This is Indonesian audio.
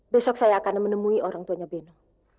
besok saya akan menemui orang tuanya beno